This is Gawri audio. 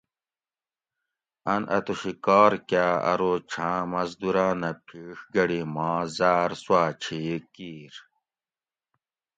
اۤن اتوشی کار کاۤ ارو چھاۤں مزدوراۤنہ پِھیڛ گۤڑی ماں زاۤر سوآۤ چھی کِیر